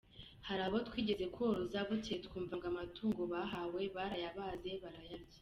Hari abo twigeze koroza, bukeye twumva ngo amatungo bahawe bayabaze barayarya”.